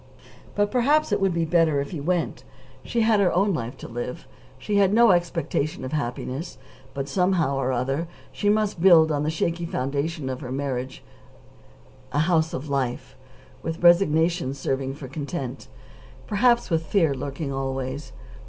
But perhaps it would be better if he went. She had her own life to live. She had no expectation of happiness, but, somehow or other, she must build on the shaky foundation of her marriage a house of life, with resignation serving for content, perhaps with fear lurking always.